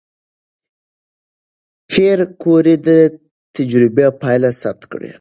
پېیر کوري د تجربې پایله ثبت کړه.